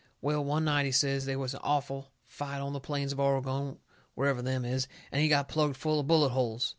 Well, one night he says, they was an awful fight on the plains of Oregon, wherever them is, and he got plugged full of bullet holes.